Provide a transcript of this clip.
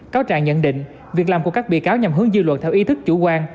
cáo trạng nhận định việc làm của các bị cáo nhằm hướng dư luận theo ý thức chủ quan